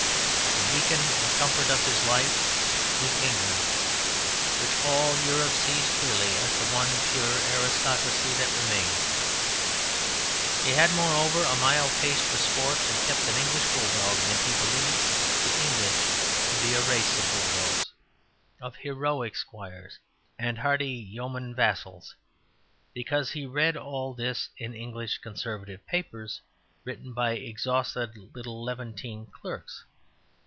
The beacon and comfort of his life was England, which all Europe sees clearly as the one pure aristocracy that remains. He had, moreover, a mild taste for sport and kept an English bulldog, and he believed the English to be a race of bulldogs, of heroic squires, and hearty yeomen vassals, because he read all this in English Conservative papers, written by exhausted little Levantine clerks.